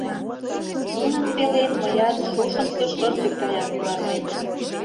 Нунын пелен мыят шошымсо шырчык гаяк юарлем.